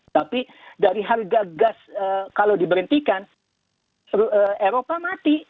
tapi dari harga gas kalau diberhentikan eropa mati